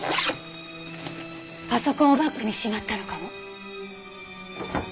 パソコンをバッグにしまったのかも。